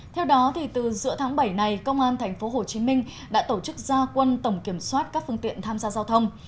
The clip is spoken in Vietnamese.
theo đó từ giữa tháng bảy này công an thành phố hồ chí minh đã tổ chức ra quân tổng kiểm soát các phương tiện tham gia giao thông